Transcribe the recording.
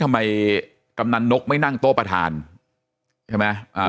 กำนันนกไม่นั่งโต๊ะประธานใช่ไหมอ่า